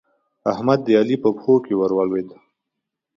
احمد د علي په پښتو کې ور ولوېد.